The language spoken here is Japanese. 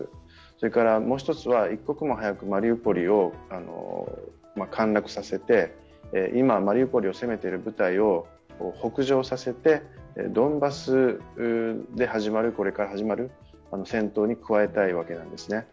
それからもう一つは、一刻も早くマリウポリを陥落させて今マリウポリを攻めている部隊を、北上させて、ドンバスでこれから始まる戦闘に加えたいわけなんですね。